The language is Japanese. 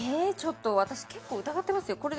えっちょっと私結構疑ってますよ